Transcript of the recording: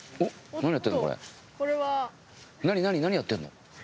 何やってんの？